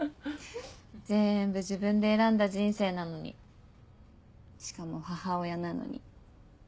全部自分で選んだ人生なのにしかも母親なのにひどいよね。